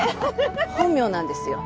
本名なんですよ。